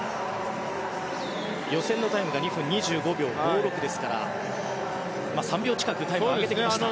予選のタイムが２分２２秒５６ですから３秒近くタイムを上げてきました。